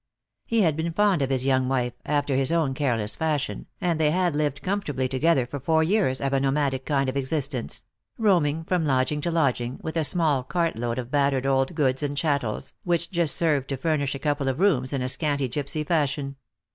He had been fond of his young wife, after his own careless fashion, and they had lived comfortably together for four years of a nomadic kind of existence ; roaming froni lodging to lodging, with a small cart load of battered old goods and chattels, which just served to furnish a couple of rooms in a scanty gipsy fashion.